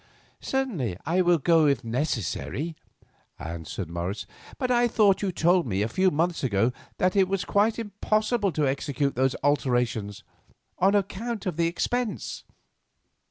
"Certainly I will go, if necessary," answered Morris. "But I thought you told me a few months ago that it was quite impossible to execute those alterations, on account of the expense."